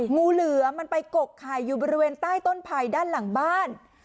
งูเหลือมันไปกกไข่อยู่บริเวณใต้ต้นไผ่ด้านหลังบ้าน